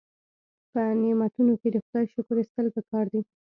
په نعمتونو کې د خدای شکر ایستل پکار دي.